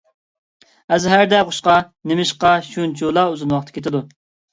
ئەزھەردە ئوقۇشقا نېمىشقا شۇنچىۋالا ئۇزۇن ۋاقىت كېتىدۇ؟